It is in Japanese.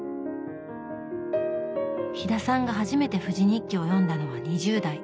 飛田さんが初めて「富士日記」を読んだのは２０代。